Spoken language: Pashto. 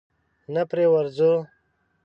نه پرې ورځو؟